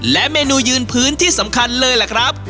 และเมนูยืนพื้นที่สำคัญเลยล่ะครับ